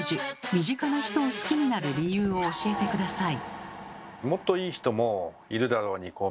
身近な人を好きになる理由を教えて下さい。